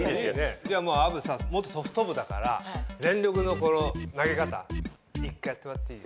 じゃあ虻さ元ソフト部だから全力のこの投げ方１回やってもらっていい？